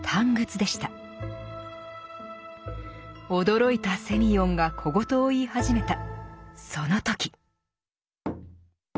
驚いたセミヨンが小言を言い始めたその時。